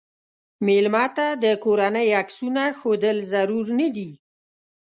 مېلمه ته د کورنۍ عکسونه ښودل ضرور نه دي.